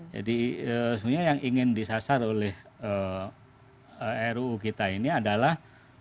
jadi sebenarnya yang ingin disasar oleh ruu kita ini adalah